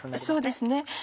そうですね